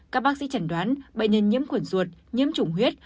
các bác sĩ chẩn đoán bệnh nhân nhiễm khuẩn ruột nhiễm chủng huyết